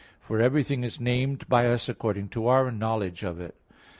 For everything is named by us according to our knowledge of it.